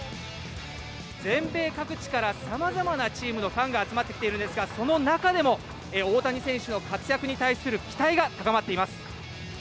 全米各地からさまざまなチームのファンが集まってきているんですが、その中でも、大谷選手の活躍に対する期待が高まっています。